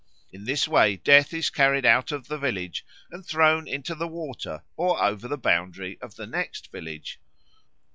In this way Death is carried out of the village and thrown into the water or over the boundary of the next village.